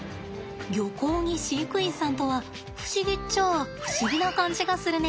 漁港に飼育員さんとは不思議っちゃあ不思議な感じがするね。